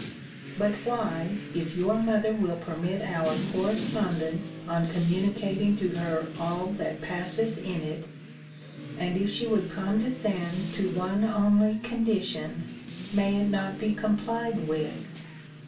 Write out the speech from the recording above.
But why, if your mother will permit our correspondence on communicating to her all that passes in it, and if she would condescend to one only condition, may it not be complied with?